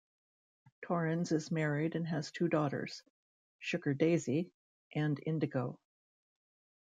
Torrens is married and has two daughters, Sugar-Daisy and Indigo.